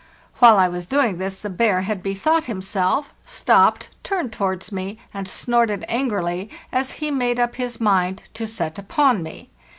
While I was doing this the bear had bethought him self, stopped, turned towards me, and snorted angrily, as he made up his mind to set upon me.